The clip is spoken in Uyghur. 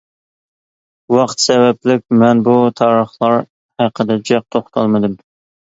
ۋاقىت سەۋەبلىك مەن بۇ تارىخلار ھەققىدە جىق توختالمىدىم.